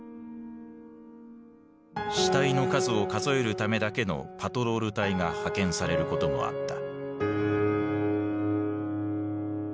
死体の数を数えるためだけのパトロール隊が派遣されることもあった。